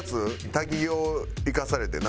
滝行行かされてな。